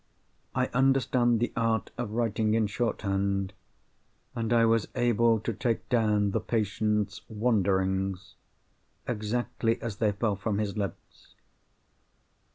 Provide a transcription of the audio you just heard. I understand the art of writing in shorthand; and I was able to take down the patient's 'wanderings', exactly as they fell from his lips.